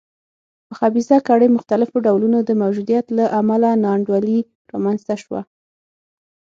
د خبیثه کړۍ مختلفو ډولونو د موجودیت له امله نا انډولي رامنځته شوه.